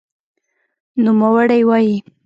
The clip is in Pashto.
نوموړی وایي،